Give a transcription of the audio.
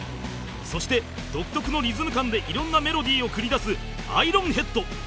そして独特のリズム感でいろんなメロディーを繰り出すアイロンヘッド